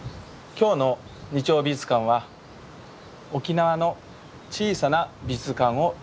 今日の「日曜美術館」は沖縄の小さな美術館を取り上げます。